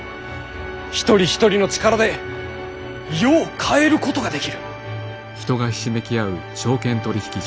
一人一人の力で世を変えることができる。